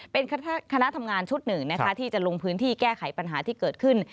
เป็นคณะทำงานชุดหนึ่งนะคะที่จะลงพื้นที่แก้ไขปัญหาที่เกิดขึ้น